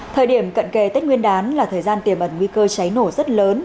thời điểm cận kề tết nguyên đán là thời gian tiềm ẩn nguy cơ cháy nổ rất lớn